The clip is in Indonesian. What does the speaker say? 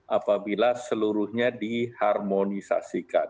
apabila seluruhnya diharmonisasikan